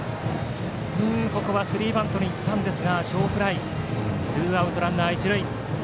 ここはスリーバントに行ったんですが小フライでツーアウトランナー、一塁。